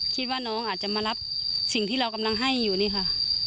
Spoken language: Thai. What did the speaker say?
คิดว่าน้องอาจจะมารับสิ่งที่เรากำลังให้อยู่นี่ค่ะ